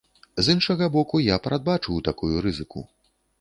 З іншага боку, я прадбачыў такую рызыку.